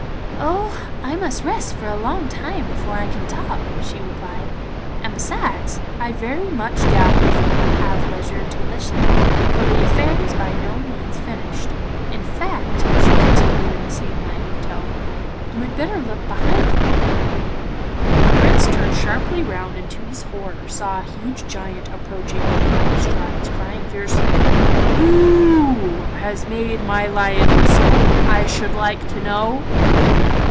'Oh, I must rest for a long time before I can talk,' she replied, 'and beside, I very much doubt if you will have leisure to listen, for the affair is by no means finished. In fact,' she continued in the same languid tone, 'you had better look behind you now.' The Prince turned sharply round and to his horror saw a huge Giant approaching with mighty strides, crying fiercely 'Who has made my lion whistle I should like to know?